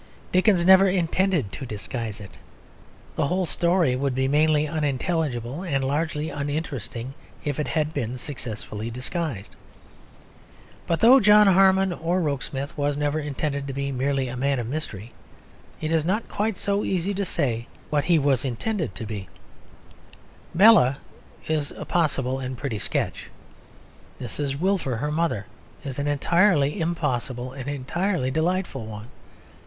Dickens never intended to disguise it; the whole story would be mainly unintelligible and largely uninteresting if it had been successfully disguised. But though John Harmon or Rokesmith was never intended to be merely a man of mystery, it is not quite so easy to say what he was intended to be. Bella is a possible and pretty sketch. Mrs. Wilfer, her mother, is an entirely impossible and entirely delightful one.